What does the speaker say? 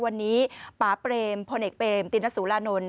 วันนี้ป๊าเปรมพลเอกเปรมตินสุรานนท์